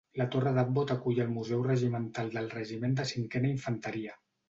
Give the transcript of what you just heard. La torre d'Abbot acull el museu regimental del Regiment de cinquena Infanteria.